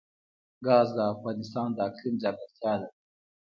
ګاز د افغانستان د اقلیم ځانګړتیا ده.